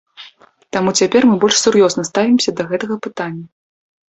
Таму цяпер мы больш сур'ёзна ставімся да гэтага пытання.